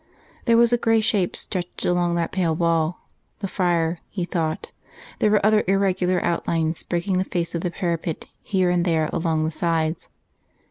There was a grey shape stretched along that pale wall the Friar, he thought; there were other irregular outlines breaking the face of the parapet, here and there along the sides.